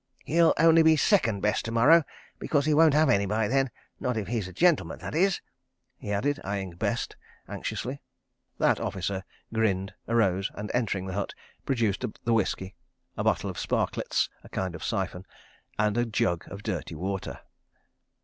He'll only be Second Best to morrow, because he won't have any by then. ... Not if he's a gentleman, that is," he added, eyeing Best anxiously. That officer grinned, arose, and entering the hut, produced the whisky, a box of "sparklets," a kind of siphon, and a jug of dirty water.